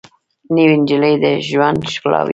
نوې نجلۍ د ژوند ښکلا وي